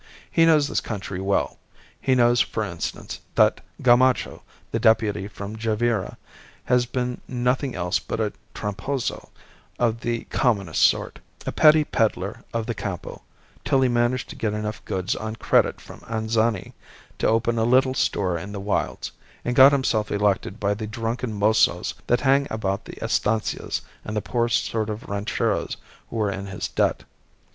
He knows this country well. He knows, for instance, that Gamacho, the Deputy from Javira, has been nothing else but a 'tramposo' of the commonest sort, a petty pedlar of the Campo, till he managed to get enough goods on credit from Anzani to open a little store in the wilds, and got himself elected by the drunken mozos that hang about the Estancias and the poorest sort of rancheros who were in his debt.